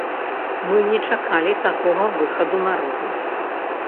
Мы не чакалі такога выхаду народу.